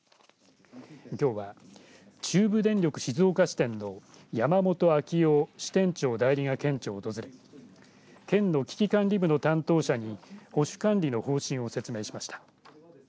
きょうは中部電力静岡支店の山元章生支店長代理が県庁を訪れ県の危機管理部の担当者に保守管理の方針を説明しました。